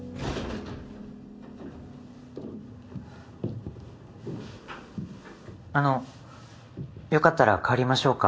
ガチャあのよかったら代わりましょうか？